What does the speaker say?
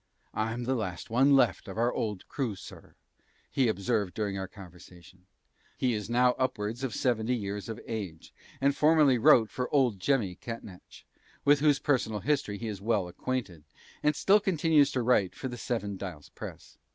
"I'm the last one left of our old crew, Sir," he observed during our conversation. He is now upwards of 70 years of age, and formerly wrote for "Old Jemmy" Catnach, with whose personal history he is well acquainted, and still continues to write for the "Seven Dials Press."